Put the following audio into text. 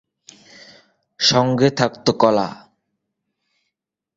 সঙ্গে থাকত কলা।